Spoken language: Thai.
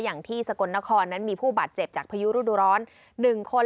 อย่างที่สกลนครนั้นมีผู้บาดเจ็บจากพายุฤดูร้อน๑คน